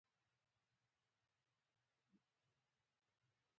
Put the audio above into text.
دا د یوې څلور کسیزې کمېټې له لوري ټاکل کېدل